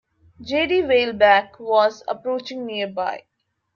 J D Weilbach was approaching nearby.